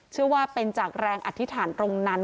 เชื่อว่าเป็นจากแรงอธิษฐานตรงนั้น